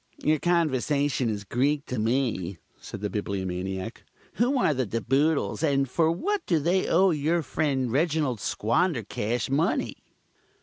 "Your conversation is Greek to me," said the Bibliomaniac. "Who are the De Boodles, and for what do they owe your friend Reginald Squandercash money?"